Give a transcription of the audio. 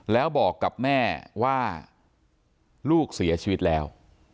แล้วบอกกับแม่ว่าลูกเสียชีวิตแล้ว